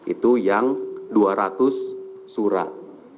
itu yang dua ratus surat